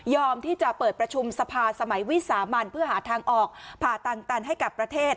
ที่จะเปิดประชุมสภาสมัยวิสามันเพื่อหาทางออกผ่าตังตันให้กับประเทศ